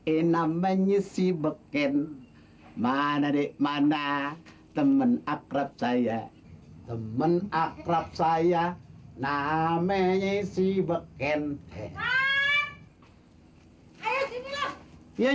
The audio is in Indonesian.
enak menyisi beken mana dek mana temen akrab saya temen akrab saya namanya si beken